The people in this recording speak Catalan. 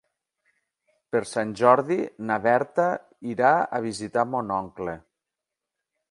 Per Sant Jordi na Berta irà a visitar mon oncle.